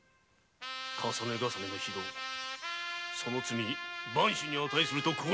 重ね重ねの非道その罪万死に価すると心得い